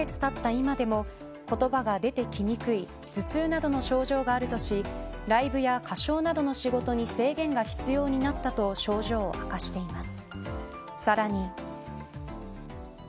今でも言葉が出てきにくい頭痛などの症状があるとしライブや歌唱などの仕事に制限が必要になったと症状を明かしています。